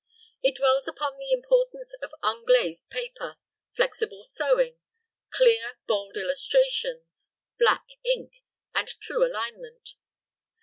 It dwells upon the importance of unglazed paper, flexible sewing, clear, bold illustrations, black ink, and true alignment.